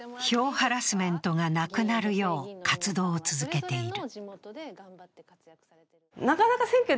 ハラスメントがなくなるよう活動を続けている。